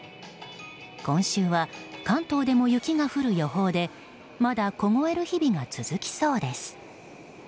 今週は、関東でも雪が降る予報でまだ凍える日々が続きそうです。